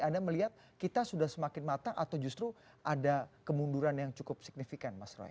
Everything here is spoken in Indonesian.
anda melihat kita sudah semakin matang atau justru ada kemunduran yang cukup signifikan mas roy